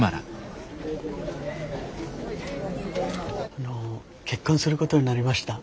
あの結婚することになりました。